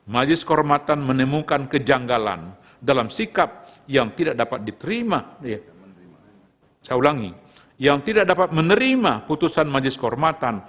majelis kehormatan menemukan kejanggalan dalam sikap yang tidak dapat diterima putusan majelis kehormatan